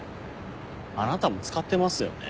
あなたも使ってますよね？